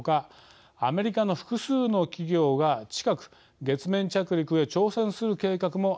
アメリカの複数の企業が近く月面着陸へ挑戦する計画もあるからです。